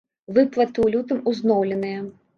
Выплаты ў лютым узноўленыя.